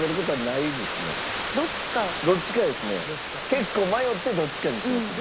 結構迷ってどっちかにしますね。